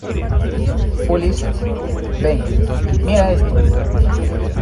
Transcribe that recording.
Ulises, ven. mira esto .